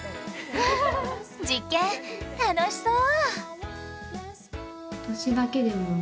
実験楽しそう！